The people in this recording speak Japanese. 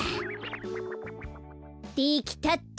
できたっと。